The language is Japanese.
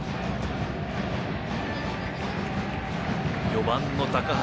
４番の高橋